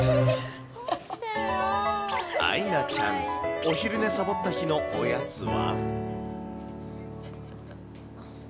あいなちゃん、お昼寝さぼった日のおやつは？